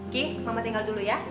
ki mama tinggal dulu ya